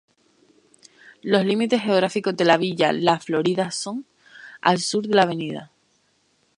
Los límites geográficos de Villa La Florida son: al sur la Av.